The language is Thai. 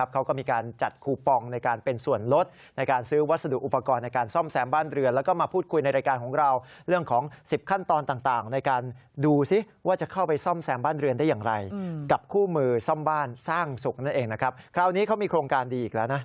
คราวนี้เขามีโครงการดีอีกแล้วนะ